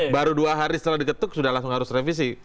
baru dua hari setelah diketuk sudah langsung harus revisi